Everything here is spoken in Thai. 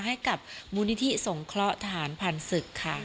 ให้กับมูลนิธิสงเคราะห์ทหารผ่านศึกค่ะ